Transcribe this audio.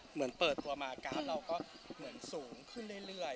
เหมือนเปิดตัวมากราดเราก็เหมือนสูงขึ้นเรื่อย